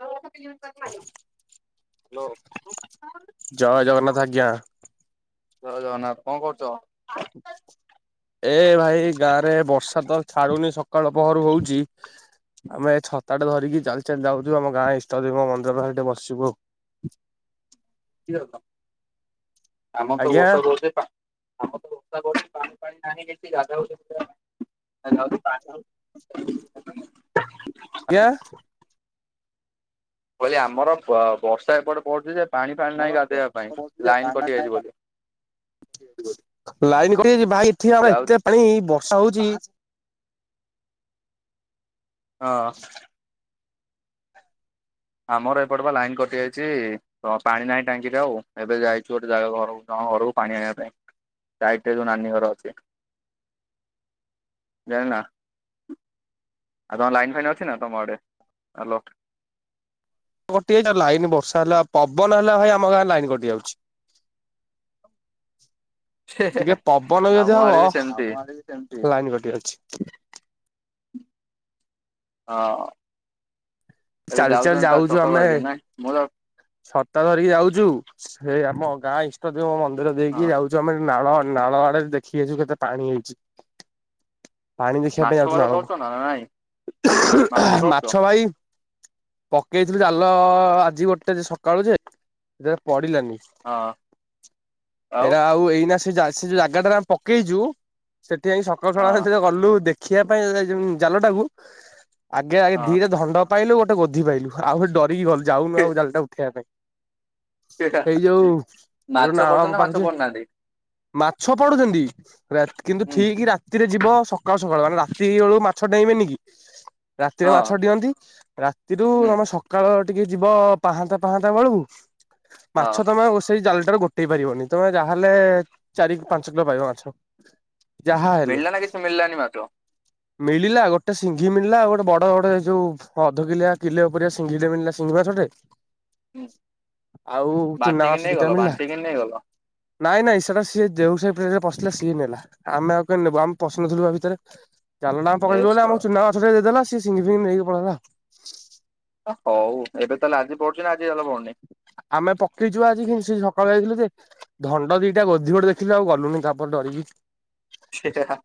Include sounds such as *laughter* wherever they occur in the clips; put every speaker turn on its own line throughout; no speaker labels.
ହଁ ବସ ତିନ ଜଣ *unintelligible*
ଜୟ ଜଗନ୍ନାଥ ଆଜ୍ଞା।
ଜୟ ଜଗନ୍ନାଥ କଣ କରୁଚ?
ଏ ଭାଇ ଏ ଗାଁରେ ବର୍ଷା ତ ଛାଡୁନି ସକାଳ ପହରୁ ହୋଉଚି ଆମେ ଛତାଟେ ଧରିକି ଚାଲି ଚାଲି ଯାଉଚୁ ଆମ ଗାଁ ଇଷ୍ଟ ଦେବ ମନ୍ଦିର ପାଖରେ ଟିକ ବସିବୁ ଆଉ।
ଆମର ତ
ଆଜ୍ଞା
ବର୍ଷା ରହୁଚି ଏ ପା ଆମର ତ ବର୍ଷା କରୁଚି ପାଣି ଫାଣି ନାହିଁ କେମତି ଗାଧା ଗୁଧି *unintelligible* ପା ହ
ଜ୍ଞା
ମୁଁ କହିଲି ଆମର ବ ବର୍ଷା ଏପଟେ ପଡୁଚି ଯେ ପାଣି ଫାଣି ନାହିଁ ଗାଧେଇବା ପାଇଁ ଲାଇନ କଟି ଯାଇଚି ବୋଲି।
ଲାଇନ କଟିଯାଇଚି ଭାଇ ଏଠି ଆମେ
ଯାଉ
ଏତେ ପାଣି ବର୍ଷା ହୋଉଚି।
ହଁ। ଆମର ଏପଟେ ପା ଲାଇନ କଟିଯାଇଚି। ହଁ ପାଣି ନାହିଁ ଟାଙ୍କିରେ ଆଉ ଏବେ ଯାଇଛୁ ଗୋଟେ ଜାଗାକୁ ଘରକୁ କଣ ଘରକୁ ପାଣି ଆଣିବା ପାଇଁ। ସାଇଟରେ ଯୋଉ ନାନୀ ଘର ଅଛି ଜାଣିନ। ଆଉ ତମ ଲାଇନ୍ ଫାଇନା ଅଛିନା ତମ ଆଡେ ଆଲଟ।
କଟି ଯାଇଛି ଲାଇନ୍ ବର୍ଷା ହେଲା ପବନ ହେଲା ଭାଇ ଆମ ଗାଁରେ ଲାଇନ କଟି ଯାଉଛି। ଟିକେ ପବନ ବି
ଆମ
ଯଦି
ଆଡେ
ହବ
ସେମିତି
ଆମ ଆଡେ ସେମିତି ଲାଇନି କଟିଯାଉଛି।
ହଁ। ଏବେ
ଚାଲି
ଯାଉଛନ୍ତି ତା ଛକ ଧରିକି ନାଇଁ ମୁଁ ତ
ସତା ଧରିକି ଯାଉଚୁ ସେ ଆମ ଗାଁ ଇଷ୍ଟ ଦେବ ମନ୍ଦିର
ହଁ।
ଦେଇକି ଯାଉ ଯୋଉ ଆମେ ନାଳ ନାଳ ଆଡ଼ ଦେଖି ଯାଇଛୁ କେତେ ପାଣି ହେଇଛି। ପାଣି ଦେଖିବା ପାଇଁ
ମାଛ
ଆଉଛୁ
ଫାଛ ଧରୁଛ ନା ନା ନାଇଁ
ନାଳକୁ ମାଛ ଭାଇ- ପକେଇଥିଲୁ ଜାଲ ଆଜି ଗୋଟେ ଯେ ସକାଳୁ ଯେ ଯେ ପଡିଲେନି।
ହଁ
ଏଇଟା ଆଉ ଏଇନା ସେ ଯା- ସେ ଯୋଉ ଜାଗାଟାରେ ଆମେ ପକେଇଚୁ ସେଠି ଆଇ ସକାଳୁ
ହଁ
ସକାଳୁ ଗଲୁ ଦେ ଖିିଆ ପାଇଁ ଜାଲଟାକୁ ଆଗେ ଆଗେ
ହଁ
ଧିରେ ଧଣ୍ଡ ପାଇଲୁ ଗୋ ଗୋଧି ପାଇଲୁ ଆଉ ଡରିକି ଗଲୁ ଯାଉନୁ ଆଉ ଜାଲଟାକୁ ଉଠେଇବା ପାଇଁ। ଏଇ ଯୋଉ ଏ
ମାଛ
ନାଳ
ପଡୁଛନ୍ତି ନା
ଆମ
ମାଛ
ପାଖ
ପଡୁନାହାନ୍ତି
ମାଛ ପଡୁଚନ୍ତି ରାତ କିନ୍ତୁ
ହୁଁ
ଠିକି ରାତି ରାତିରେ ଯିବ ସକାଳୁ ସକାଳୁ ମାନେ ରାତି ବେଳକୁ ମାଛ ଡାେଇଁବେନି କି ରାତିରେ
ହଁ
ମାଛ ଡିଅନ୍ତି। ରାତିରୁ
ହୁଁ
ଆମ ସକାଳ ଟିକେ ଯିବ ପାହାନ୍ତା ପାହାନ୍ତା ବେଳକୁ ମାଛ
ହଁ
ତମେ ସେଇ ଜାଲଟାରୁ ଗୋଟେଇ ପାରିବନି ତମେ ଯାହାହେଲେ ଚାରି ପାଞ୍ଚ କିଲୋ ପାଇବ ମାଛ। ଯାହା ହେଲେ।
ମିଳିଲା ନା କିଛି ମିଳିଲାନି ମାଛ
ମିଳିଲା ଗୋଟେ ସିଂଘି ମିଳିଲା ଆଉ ଗୋଟେ ବଡ ବଡ ଯୋଉ ଅଧକିଲିଆ କିଲେ ଉପୁରିଆ ସିଂଘିଟେ ମିଳିଲା ସିଂଘି ମାଛଟେ
ହୁଁ
ଆଉ ଚୁନା
ବାଣ୍ଟିକି
ମାଛ ଦିଟା
ନେଇଗଲ
ମିଳିଲା।
ବାଣ୍ଟିକି ନେଇଗଲ
ନାଇଁ ନାଇଁ ସେଇଟା ସିଏ ଦେହୁସାହି ପିଲା ପଶିଲା ସିଏ ନେଲା ଆମେ ଆଉ କେଇ ନେବୁ ଆମେ ପଶୁନଥିଲୁ ବା ଭିତରେ। ଜଲ ଟା ଆମେ
ଏ
ପକେଇଥିଲୁ ବୋଲି ଆମକୁ
ଶଳା
ଚୁନା ମାଛ ଦେଇଦେଲା ସିଏ ସିଙ୍ଗି ଫିଙ୍ଗି ନେଇକି ପଳେଇଲା।
ଆ ହଉ ଏବେ ତାହେଲେ ଆଜି ପଢୁଚିନା ଆଜି ତାହେଲେ ପଡୁନି?
ଆମେ ପକେଇଛୁ ଆଜି ସେ ସକାଳୁ ଯାଇଥିଲୁ ଯେ- ଧଣ୍ଡ ଦିଟା ଗୋଧି ଗୋଟେ ଦେଖିଲି ଆଉ ଗଲୁନି ତାପରେ ଡରିକି।
ସେଟ- *unintelligible*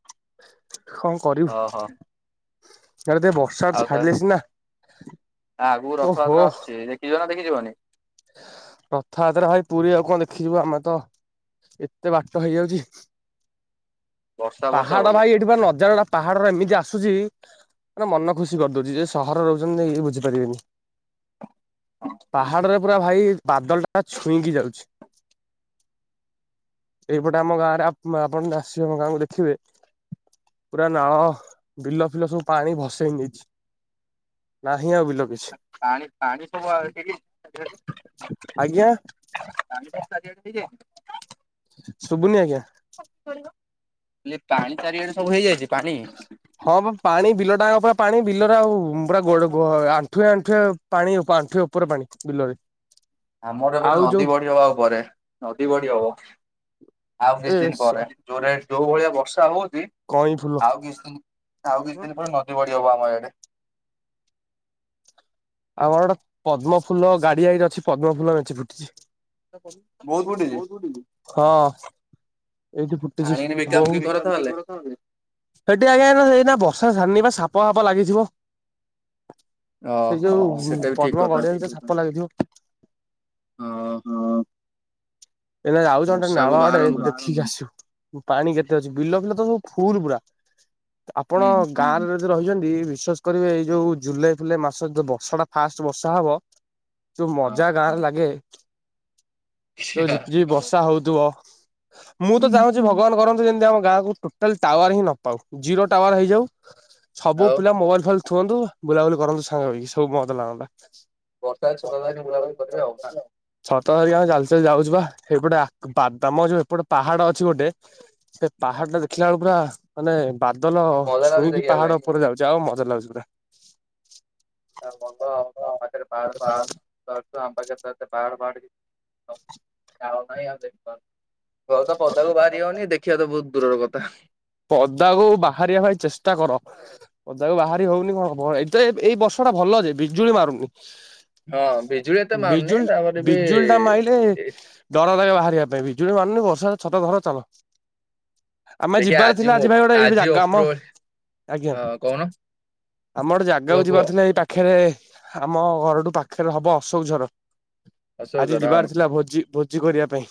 କଣ କରିବୁ ଇଆଡ଼େଟିକେ ବ ସାର୍
ଆଉ ତା
ଛାଡିଲେ ସିନା
ଆଗକୁ
ଓହୋ।
ରଥଯାତ୍ରା ଆସୁଛି ଦେଖିଛ ନା ଦେଖିଯିବନି
ରଥଯାତ୍ରା ଭାଇ ପୁରୀ ଆଉ କଣ ଦେଖିବୁ ଆମେ ତ ଏତେ ବାଟ ହେଇଯାଉଚି।
ବର୍ଷା ବର୍ଷା
ପାହାଡ
ବୋଲି
ଭାଇ ଏଠି ବା ନଜର ପାହାଡର ଏମିତି ଆସୁଚି ମାନେ ମନ ଖୁସି କରିଦଉଚି ଯେ ସହରରେ ରହୁଛନ୍ତି ବୁଝିପାରିବେନି। ପାହାଡରେ ପୁରା ଭାଇ ବାଦଲ ଟା ଛୁଇଁକି ଯାଉଛି। ଏଇପଟେ ଆମ ଗାଁରେ ଆପଣ ଆସିବେ ଆମ ଗାଁକୁ ଦେଖିବେ ପୁରା ନାଳ ବିଲ ଫିଲ ସବୁ ପାଣି ଭସେଇ ନେଇଛି। ନାହିଁ ଆଉ ବିଲ କିଛି।
ପାଣି ପାଣି ସବୁ ଆ ଡେ
ଆଜ୍ଞା
ହେଇଯାଇଛ- *unintelligible*
ଶୁବୁନି ଆଜ୍ଞା।
ହେ ପାଣି ଚାରିଆଡେ ସବୁ ହେଇଯାଇଚି ପାଣି
ହଁମ ପାଣି ବିଲ ଟାଙ୍କ ପୁରା ପାଣି ବିଲରେ ଆଉ ପୁରା ଗୋ ଆଣ୍ଠୁଏ ଆଣ୍ଠୁଏ ପାଣି ଉପ ଆଣ୍ଠୁଏ ଉପରେ ପାଣି ବିଲରେ।
*unintelligible* ଆମର ଏପଟେ
ଆଉ ଯୋଉ
ନଦୀ ବଢି ହବା ଉପରେ ନଦୀ ବଢି ହବ ଆଉ
ଏ
କିଛି ଦିନ ପରେ। ଯୋରେ ଯୋଉ ଭଳିଆ ବର୍ଷା ହଉଛି
କଇଁ ଫୁଲ
ଆଉ କିଛି ଦିନ ଆଉ କିଛି ଦିନ ପରେ ନ ଦୀ ବଢି ହବ ଆମ ଇଆଡ଼େ,
ଆମର ଇଆଡ଼େ ପଦ୍ମ ଫୁଲ ଗାଡିଆଇରେ ଅଛି ପଦ୍ମ ଫୁଲ ମେଞ୍ଚେ ଫୁଟିଚି।
ବହୁତ ଫୁଟିଛି
ହଁ। ଏଇଠି ଫୁଟିଚି
ଆଣିକିନି ବିକା ବିକି
ବୋଉ,
କର ତାହେଲେ
ଏଠି ଆଜ୍ଞା ଏଇନା ଏଇନା ବର୍ଷା ଛାଡ଼ିନି ପା ସାପ ଫାପ ଲାଗିଥିବ। ସେଇ
ଓହୋ
ଯୋଉ
ସେଟା
ଉଁ
ବି ଠିକ
ପଦ୍ମ
କଥା
ଗଡିଆ ଭିତରେ ସାପ ଲାଗିଥିବ।
ହଁ
ଏଇନା ଯାଉଛ ଗୋଟେ
ବର୍ଷାକୁ
ନାଳ ଆଡେ
ବାହାରନ୍ତୁନି
ଦେଖିକି ଆସିବୁ। ପାଣି କେତେ ଅଛି, ବିଲ ଫିଲ ତ ସବୁ ଫୁଲ ପୁରା ଆପଣ
ହୁଁ
ଗାଁରେ ଯଦି ରହିଛନ୍ତି ବିଶ୍ଵାସ କରିବେ ଏଇ ଯୋଉ ଜୁଲାଇ ଫୁଲାଇ ମାସ ଯୋଉ ବର୍ଷା ଟା ଫାଷ୍ଟ ବର୍ଷା ହବ, ଯୋଉ
ହଁ
ମଜା ଗାଁରେ ଲାଗେ ଯୋଉ ଝିପିଝିପି ବର୍ଷା ହଉଥିବ, ମୁଁ ତ ଚାହୁଁଚି ଭଗବାନ କରନ୍ତୁ ଯେନ୍ତି ଆମ ଗାଁକୁ ଟୋଟାଲ ଟାୱାର ହିଁ ନପାଉ ଜିରୋ ଟାୱାର ହେଇଯାଉ। ସବୁ
ଆଉ
ପିଲା ମୋବାଇଲ ଫୋବାଇଲ ଥୁଅନ୍ତୁ ବୁଲାବୁଲି କରନ୍ତୁ ସାଙ୍ଗ ହେଇକି ସବୁ ମଜା ଲାଗନ୍ତା।
ବର୍ଷା ଛତା ଧରିକି
ବତାଶ
ବୁଲାବୁଲି କରିବେ ଆଉ ନା
*unintelligible* ଶରତ ହରିକା ଆମେ ଚାଲି ଚାଲି ଯାଉଚୁ ପା ଏପଟେ ଆ ବାଦାମ ଯୋଉ ଏପଟ ପାହାଡ ଅଛି ଗୋଟେ, ସେ
ହଁ
ପାହାଡ ଟା ଦେଖିଲା ବେଳକୁ ପୁରା ମାନେ ବାଦଲ
ମଜା ଲାଗୁଛି
ଛୁଇଁକି
ଦେଖିବା ପାଇଁ
ପାହାଡ ଉପରେ ଯାଉ ଯା ହଉ ମଜା ଲାଗୁଚି ପୁରା।
ଯାହା ହଉ ଭଲ ଆଉ ତମ ପାଖରେ ପାହାଡ଼ ଫାହାଡ଼ ଅଛି, *unintelligible* ଆମ ପାଖରେ ତ ଏତେ ପାହାଡ଼ ଫାହାଡ଼ କିଛି ଯାହା ହଉ ଭାଇ ଆଉ ଦେଖି ପାରୁ, ଘରୁ ତ ପଦାକୁ ବାହାରି ହଉନି ଦେଖିବା ତ ବହୁତ ଦୂର ର କଥା।
ପଦାକୁ ବାହାରିବା ଭାଇ ଚେଷ୍ଟା କର। ପଦାକୁ ବାହାରି ହଉନି କଣ ବ ଏବେ ଏଇ ବର୍ଷ ଟା ଭଲ ଯେ ବିଜୁଳି ମାରୁନି।
ହଁ ବିଜୁଳି ଏତେ ମାରୁନି
ବିଜୁଳି
ତାପରେ ବି
ବିଜୁଳିଟା ମାଇଲେ
ଏ-
ଡର ଲାଗେ ବାହାରିବା ପାଇଁ ବିଜୁଳି ମାରୁନି ବର୍ଷାରେ ଛତା ଧର ଚାଲ, ଆମେ
ଦେଖିଆ
ଯିବାର ଥିଲା
ମୁଁ
ଆଜି ପାଇଁ
ଓପ-
ଗୋଟେ ଏଇଠି ଗୋଟେ ଜାଗା
ଓପ୍ରୋ
ମ, ଆଜ୍ଞା
ହଁ କହୁନ
ଆମର ଗୋଟେ
କୁହ
ଜାଗାକୁ
କୁହ
ଯିବାରଥିଲା ଏଇ ପାଖେରେ ଆମ ଘରଠୁ ପାଖେରେ ହବ ଅଶୋକ ଝର,
ଅଶୋକ
ଆଜି
ଝର ହଁ
ଯିବାର ଥିଲା ଭୋଜି ଭୋଜି କରିବା ପାଇଁ।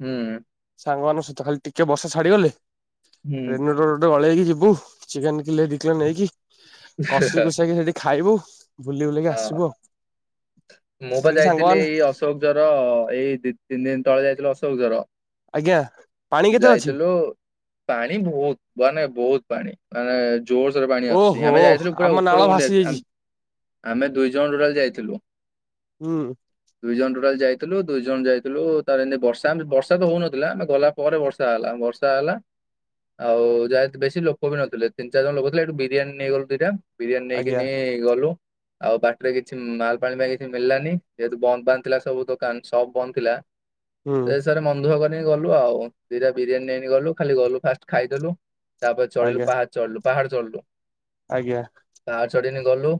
ହୁଁ
ସାଙ୍ଗମାନଙ୍କ ସହିତ ଖାଲି ଟିକେ ବର୍ଷା ଛାଡ଼ିଗଲେ,
ହୁଁ
ରେନିକୋର୍ଟ ଗୋଟେ ଗୋଟେ ଗଳେଇକି ଯିବୁ, ଚିକେନ୍ କିଲେ ଦିକିଲେ ନେଇକି କଷି କୁଷାକି ସେଠି ଖାଇବୁ, ବୁଲି ବୁଲାକି
ହଁ
ଆସିବୁ ଆଉ,
ମୁଁ ବା
ସେଠି
ଯାଇଥିଲି
ସାଙ୍ଗମାନେ
ଏଇ ଅଶୋକ ଝର ଏଇ ଦି ତିନି ଦିନ ତଳେ ଯାଇଥିଲୁ ଅଶୋକ ଝର,
ଆଜ୍ଞା ପାଣି କେତେ ଅଛି?
ଯାଇଥିଲୁ ପାଣି ବହୁତ ମାନେ ବହୁତ ପାଣି ମାନେ ଜୋରସେରେ ପାଣି ଆସୁଛି
ଓହୋ
ଆମେ ଯାଇଥିଲୁ ପୁରା
ଆମ ନାଳ
ଉପରକୁ
ଭାସି
ମୁଣ୍ଡେଇ ଆସ
ଯାଇଛି
ଆଣ ଆମେ ଦୁଇ ଜଣ ଟୋଟାଲ୍ ଯାଇଥିଲୁ।
ହୁଁ
ଦୁଇ ଜଣ ଟୋଟାଲ ଯାଇଥିଲୁ ଦୁଇ ଜଣ ଯାଇଥିଲୁ ତାରେ ଏମିତି ବର୍ଷା ଏମିତି ବର୍ଷା ତ ହଉ ନଥିଲା ଆମେ ଗଲା ପରେ ବର୍ଷା ହେଲା ବର୍ଷା ହେଲା, ଆଉ ଯାହାକି ବେଶୀ ଲୋକ ବି ନଥିଲେ ତିନି ଚାରି ଜଣ ଲୋକ ଥିଲେ ସେଠୁ ବିରିୟାନୀ ନେଇଗଲୁ ଦୁଇଟା। ବିରିୟାନୀ
ଆଜ୍ଞା
ନେଇକିନି ଗଲୁ। ଆଉ ବାଟେରେ କିଛି ମାଲ୍ ପାଣି ପାଇଁ କିଛି ମିଳିଲାନି ଯେହେତୁ ବନ୍ଦ ବାନ୍ଦ ଥିଲା ସବୁ ଦୋକାନ ସବ ବନ୍ଦ ଥିଲା,
ହୁଁ
ସେଇ ହିସାବରେ ମନଦୁଃଖ କରିକି ଗଲୁ ଆଉ ଦିଇଟା ବିରିୟାନୀ ନେଇକି ଗଲୁ ଖାଲି ଗଲୁ ଫାଷ୍ଟ ଖାଇଦେଲୁ। ତାପରେ ଚଢିଲୁ
ଆଜ୍ଞା
ପାହାଡ଼ ଚଢିଲୁ ପାହାଡ଼ ଚଢିଲୁ।
ଆଜ୍ଞା।
ପାହାଚ ଚଢିକିଣି ଗଲୁ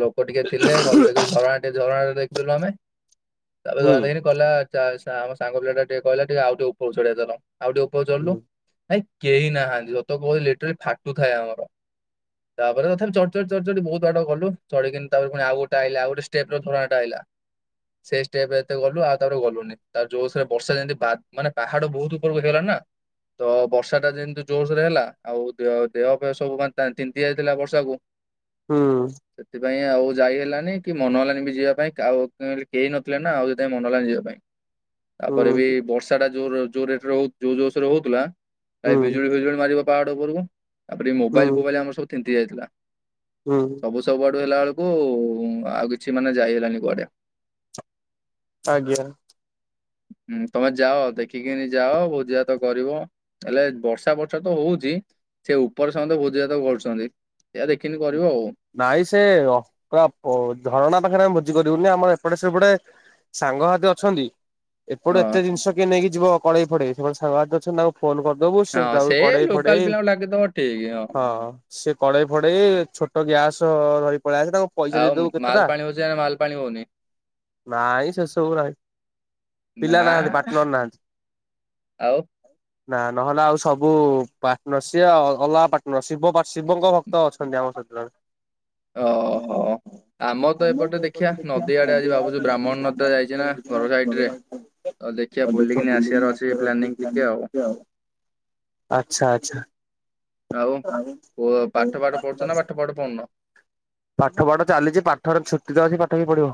ଲୋକ ଟିକେ ଥିଲେ ଗଲୁ ଦେଖିଲୁ ଝରଣା ଟିକେ ଝରଣା ଦେଖିଦେଲୁ ଆମେ ତାପରେ
ହୁଁ
ଝରଣା ଦେଖିଲୁ କହିଲା ଚାଲସାଙ୍ଗ ପିଲା ଟିକେ କହିଲା ଟିକେ ଆଉ ଟିକେ ଉପକୁ ଚଢ଼ିବା ଚାଲ ଆଉ ଟିକେ ଉପରକୁ
ହୁଁ
ଚଢିଲୁ ଭାଇ କେହି ନାହାନ୍ତି ସତ କହୁଚି ଲେଟରେ ଫାଟୁଥାଏ ଆମର। ତାପରେ ତଥାପି ଚଢି- ଚଢି- ଚଢି - ବହୁତ୍ ବାଟକୁ ଗଲୁ ଚଢିକିନି ତାପରେ ଆଉ ଗୋଟ ଆଇିଲା ଆଉ ଗୋଟେ ଷ୍ଟେପରେ *unintelligible* ଆଇଲା ସେ ଷ୍ଟେପେ ଏତେ ଗଲୁ ଆଉ ତାପରେ ଗଲୁନି ତାପରେ ଯୋଉସୋରେ ବର୍ଷା ଯେମିତି ମାନେ ପାହାଡ଼ ବହୁତ୍ ଉପରକୁ ହେଇଗଲାଣିନା। ତ ବର୍ଷାଟା ଯେମିତି ଜୋରସୋରେ ହେଲା ଆଉ ଦେହ ଫେହ ସବୁ ମାନେ ତିିନ୍ତି ଯାଇଥିଲା ବର୍ଷାକୁ
ହୁଁ।
ସେଥିପାଇଁ ଆଉ ଯାଇ ହେଲାନି କି ମନ ହେଲାନିବି ଯିବା ପାଇଁ କା ଆଉ କେ କେଇ ନଥିଲେନା ଆଉ ସେଥିପାଇଁ ମନ ହେଲାନି ଯିବା ପାଇଁ। ତାପରେବି
ହୁଁ
ବର୍ଷାଟା ଯୋଉ ଯୋଉ ରେଟରେ ଯୋଉ ଜୋରସୋରେ ହଉଥିଲା ଭାଇ ବିଜୁଳି ଫିଜୁଳି ମାରିବ ପାହାଡ଼ ଉପର ତାପରେ
ହୁଁ
ମୋବାଇଲ୍ ଫୋବାଇଲ୍ ଆମର ସବୁ ତିନ୍ତି ଯାଇଥିଲା।
ହୁଁ।
ସବୁ ସବୁଆଡୁ ହେଲା ବେଳକୁ ଆଉ କିଛି ମାନେ ଯାଇ ହେଲାନି କୁଆଡ଼େ।
ଆଜ୍ଞା।
ହୁଁ ତମେ ଯାଅ, ଦେଖିକିନି ଯାଅ, ଭୋଜିଭାତ କରିବ ତାହେଲେ ବର୍ଷା ଫର୍ଷାତ ହଉଚି ସେ ଉପରେ ସମସ୍ତେ ଭୋଜିଭାତ କରୁଚନ୍ତି। ଏଆ ଦେଖିନି କରିବ ଆଉ।
ନାଇଁ ସେ ଅ ପୁରା ପ ଝରଣା ପାଖରେ ଆମେ ଭୋଜି କରିବୁନି ଆମ ଏପଟେ ସେପଟେ ସାଙ୍ଗ ସାଥି ଅଛନ୍ତି ଏପଟୁ
ହଁ
ଏତେ ଜିନିଷ କିଏ ନେଇକି ଯିବ କଢ଼େଇ ଫଢ଼େଇ ସେପଟେ ସାଙ୍ଗ ସାଥି ଅଛନ୍ତି ତାକୁ ଫୋନ୍ କରିଦବୁ
ହଁ
ସେତାପରେ
ସେ
କଢ଼େଇ
ଲୋକାଲ
ଫଢ଼େଇ
ପିଲାଙ୍କୁ ଲାଗିଥିବ ଠିକ
ହଁ। ସେ କଢେଇ ଫଢେଇ ଛୋଟ ଗ୍ୟାସ ଧରି ପଳେଇଆସିବେ ତାଙ୍କୁ ପଇସା
ଆଉ
ଦେଇଦବୁ କେତେଟା,
ମାଲପାଣି ହଉଛି ନା ମାଲପାଣି ହଉନି
ନାଇଁ ସେସବୁ ନାହିଁ। ପିଲା
ନା
ନାହାନ୍ତି ପାଟନାର ନାହାନ୍ତି।
ଆଉ?
ନା ନହେଲେ ଆଉ ସବୁ ପାଟନରସି ସିଏ ଅଲଗା ପାଟନରସି *unintelligible* ଶିବ ପା ଶିବଙ୍କ ଭ *unintelligible*
ଓହୋ। ଆମରତ ଏପଟେ ଦେଖିଆ ନଦୀ ଆଡ଼େ ଆଜି ଭାବୁଚି ବ୍ରାହ୍ମଣୀ ନଦୀଟା ଯାଇଚିନା ଘର ସାଇଡ୍ରେ। ଆଉ ଦେଖିଆ ବୁଲିକିନି ଆସିଆର ଅଛି ପ୍ଲାନିଂ ଟିକେ ଆଉ।
ଆଚ୍ଛା ଆଚ୍ଛା ଆଉ?
ଓ ପାଠ ଫାଠ ପଢୁଚନା, ପାଠ ଫାଠ ପଢୁନ?
ପାଠ ଫାଠ ଚାଲିଚି ପାଠରେ ଛୁଟିତ ଅଛି ପାଠ କିଏ ପଢିବ।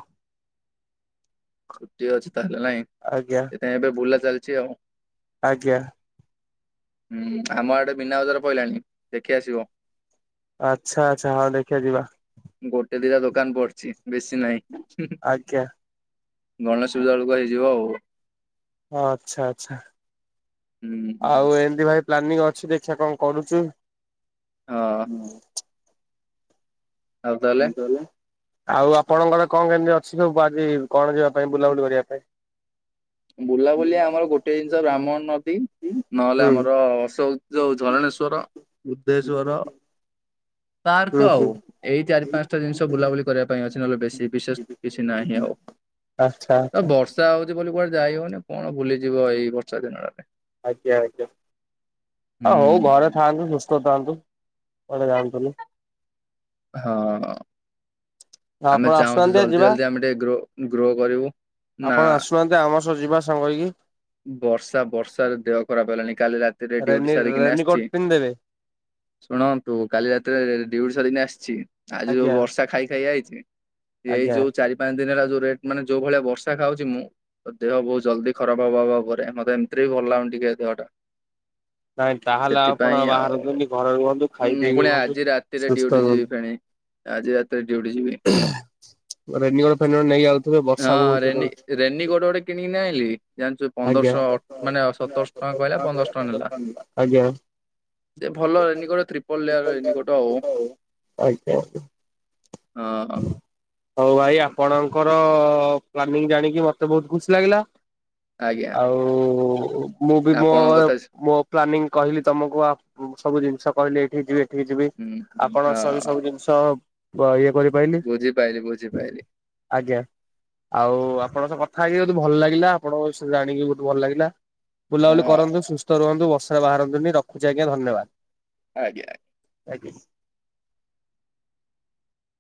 ଛୁଟି ଅଛି ତାହେଲେ ନାଇଁ
ଆଜ୍ଞା
ସେଥିପାଇଁ ଏବେ ବୁଲା ଚାଲିଚି ଆଉ।
ଆଜ୍ଞା।
ହୁଁ ଆମ ଆଡ଼େ ମିନା ଵଜାର ପଇଲାଣି ଦେଖି ଆସିବ?
ଆଚ୍ଛା ଆଚ୍ଛା ହଉ ଦେଖିଆ ଯିବା।
ଗୋଟେ ଦିଟା ଦୋକାନ ପଡ଼ିଚି ବେଶୀ ନାହିଁ ହେ ହେ।
ଆଜ୍ଞା
ଗଣେଶ ପୂଜା ବେଳକୁ ହେଇଯିବ ଆଉ।
ଆଚ୍ଛା ଆଚ୍ଛା।
ହୁଁ।
ଆଉ ଏମିତି ଭାଇ ପ୍ଲାନିଂ ଅଛି ଦେଖିଆ କଣ କରୁଚୁ।
ହଁ ଆଉ ତାହେଲେ
କଁ କଇଁଲେ ଆଉ ଆପଣଙ୍କର କଣ କେମିତି ଅଛି ସବୁ ଆଜି କଣ ଯିବା ପାଇଁ ବୁଲାବୁଲି କରିବା ପାଇଁ?
ବୁଲାବୁଲି ଆମର ଗୋଟେ ଜିନିଷ ବ୍ରାହ୍ମଣ ନଦୀ, ନହେଲେ
ହୁଁ
ଆମର ସଉ ଯୋଉ ଝରଣେଶ୍ଵର, ବୁଦ୍ଧେଶ୍ଵର
ହୁଁ
ପାର୍କ
ହୁଁ
ଆଉ। ଏଇ ଚାରି ପାଂସଟା ଜିନିଷ ବୁଲାବୁଲି କରିବା ପାଇଁ ଅଛି, ନହେଲେ ବେଶୀ ବିଶେଷ କିଛି ନାହିଁ ଆଉ।
ଆଚ୍ଛା-ଆଚ୍ଛା।
ଵର୍ଷା ହଉଚି ବୋଲି କୁଆଡେ ଯାଇ ହଉନି, କଣ ବୁଲିଯିବ ଏଇ ବର୍ଷା ଦିନଟାରେ।
ଆଜ୍ଞା-ଆଜ୍ଞା, ଆ ହଉ
ହୁଁ
ଘରେ ଥାଆନ୍ତୁ ସୁସ୍ଥ ଖାଆନ୍ତୁ, କୁଆଡେ ଯାଆନ୍ତୁନି।
ହଁ। ଆମେ
ଆପଣ
ଚାହୁଁଚୁ
ଆସୁନାହାନ୍ତି ଆ ଯିବା
ଜଲ୍ଦି-ଜଲ୍ଦି ଆମେ ଟିକେ ଗ୍ରୋ-ଗ୍ରୋ କରିବୁ, ନା
*unintelligible* ଆମ ସହ ଯିବା ସାଙ୍ଗ ହେଇକି।
ବର୍ଷା ବର୍ଷାରେ ଦେହ ଖରାପ୍ ହେଲାଣି, କାଲି ରାତିରେ ଡିଉଟି
ରେନି
ସାରିକିନି
ରେନିକୋଟ
ଆସ୍ଚି।
ପିନ୍ଧିଦେବେ
ଶୁଣନ୍ତୁ କାଲି ରାତିରେ ଡିଉଟି ସରିିକିନି ଆସ୍ଚି। ଆଜି ଯୋଉ
ଆଜ୍ଞା
ବର୍ଷା ଖାଇ-ଖାଇ ଆଇଚି, ଏଇ
ଆଜ୍ଞା
ଯୋଉ ଚାରି ପାଞ୍ଚ ଦିନି ହେଲା ଯୋଉ ରେଟ୍ ମାନେ ଯୋଉ ଭଳିଆ ବର୍ଷା ଖାଉଚି ମୁଁ, ତ ଦେହ ବହୁତ୍ ଜଲ୍ଦି ଖରାପ୍ *unintelligible* ଓପରେ ମତେ ଏମ୍ତି ରେ ବି ଭଲ୍ ଲାଗୁନି ଟିକେ ଦେହଟା।
ନାଇଁ ତାହେଲେ ଆପଣ
ସେଥିପାଇଁ
ବାହାରେ
ଆଉ,
ରୁହନ୍ତୁନି ଘରେ ରୁହନ୍ତୁ ଖାଇ
ମୁଁ
ପିଇକି
ଫୁଣି
ରୁହନ୍ତୁ
ଆଜି ରାତିରେ
ସୁସ୍ଥ
ଡିଉଟି
ରୁହନ୍ତୁ
ଯିବି ଫେଣି। ଆଜି ରାତିରେ ଡ଼ିଉଟି ଯିବି।
ରେନିକୋଟ ଫେନିକୋଟ ନେଇକି ଯାଉଥିବେ ବର୍ଷା
ହଁ
ବହୁତ୍ ଜୋରେ ହଉଚି।
ରେନି କୋଟ ଗୋଟେ କିଣିକିନା ଆଇଁଲି। ଜାଣିଚୁ
ଆଜ୍ଞା
ପନ୍ଦରଶହ ମାନେ ସତରଶହ ଟଙ୍କା କହିଲା ପନ୍ଦରଶହ ଟଙ୍କା ନେଲା।
ଆଜ୍ଞା
ସେ ଭଲ ରେନିକୋଟ, ତ୍ରିପଲ୍ ଲେୟାର୍ ର ରେନିକୋଟ ଆଉ।
ଆଜ୍ଞା-ଆଜ୍ଞା।
ହଁ।
ହଉ ଭାଇ ଆପଣଙ୍କର ପ୍ଲାନିଂ ଜାଣିକି ମତେ ବହୁତ୍ ଖୁସି ଲାଗିଲା।
ଆଜ୍ଞା
ଆଉ ମୁଁ ବି
ଆପଣଙ୍କ କଥା
ମୋ-ମୋ ପ୍ଲାନିଂ କହିଲି ତମକୁ ଆଉ ସବୁ ଜିନିଷ କହିଲେ ଏଇଠି ଯିବେ। ଠିକି ଯିବି
ହୁଁ
ଆପଣ ସ ବି ସବୁ ଜିନିଷ ଇଏ କରି
ବୁଝି ପାଇଲି, ବୁଝି ପାଇଲି।
ଆଜ୍ଞା ଆଉ ଆପଣଙ୍କ ସହ କଥା ହେଇକି *unintelligible* ଭଲ ଲାଗିଲା, ଆପଣଙ୍କ ବିଷୟରେ ଜାଣିକି *unintelligible* ଭଲ୍ ଲାଗିଲା। ବୁଲାବୁଲି
ହଁ
କରନ୍ତୁ, ସୁସ୍ଥ ରୁହନ୍ତୁ, ବର୍ଷା ବାହାରନ୍ତୁନି ରଖୁଚି ଆଜ୍ଞା ଧନ୍ୟବାଦ୍।
ଆଜ୍ଞା।
ଆଜ୍ଞା।